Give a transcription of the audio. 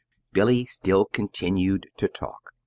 Billy still continued to talk.